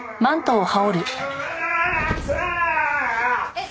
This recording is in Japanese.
えっ？